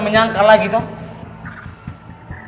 menyangka lagi dong